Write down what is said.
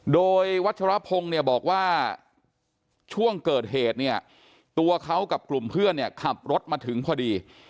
โดยวัชรพงษ์บอกว่าช่วงเกิดเหตุตัวเขากับกลุ่มเพื่อนขับรถมาถึงพอดี